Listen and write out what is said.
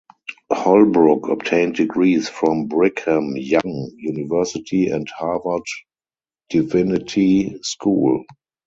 Holbrook obtained degrees from Brigham Young University and Harvard Divinity School.